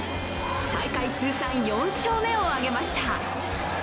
大会通算４勝目を挙げました。